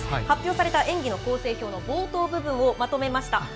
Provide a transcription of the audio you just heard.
発表された演技の構成表の冒頭部分をまとめました。